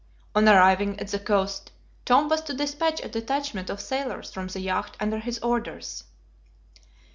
On arriving at the coast, Tom was to dispatch a detachment of sailors from the yacht under his orders.